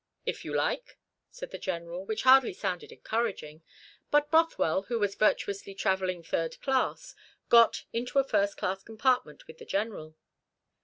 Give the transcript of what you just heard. "If you like," said the General, which hardly sounded encouraging; but Bothwell, who was virtuously travelling third class, got into a first class compartment with the General.